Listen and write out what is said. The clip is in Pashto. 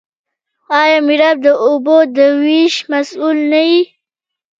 آیا میرآب د اوبو د ویش مسوول نه وي؟